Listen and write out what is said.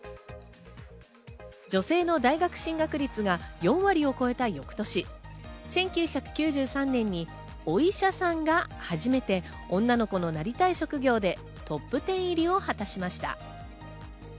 女性の大学進学率が４割を超えた翌年、１９９３年にお医者さんが初めて女の子のなりたい職業でトップ１０入りを果たしました。